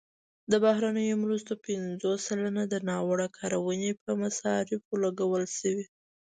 د بهرنیو مرستو پنځوس سلنه د ناوړه کارونې په مصارفو لګول شوي.